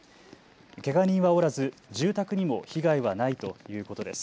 けが人はおらず住宅にも被害はないということです。